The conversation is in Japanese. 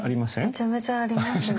めちゃめちゃありますね。